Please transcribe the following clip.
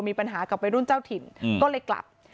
มีปัญหากับวัยรุ่นเจ้าถิ่นก็เลยกลับ